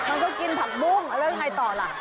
เออมันก็กินผักบุ้งแล้วใครต่อล่ะ